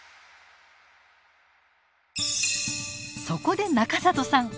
そこで中里さん